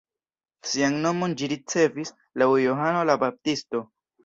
Sian nomon ĝi ricevis laŭ Johano la Baptisto.